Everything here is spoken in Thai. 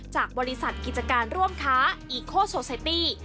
จากบริษัทกิจการร่วมค้าอีโคโซเซตี้